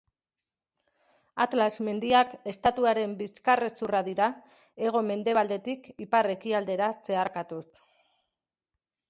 Atlas mendiak estatuaren bizkarrezurra dira, hego-mendebaldetik ipar-ekialdera zeharkatuz.